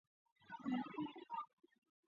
目前为止还是一个神秘的物种。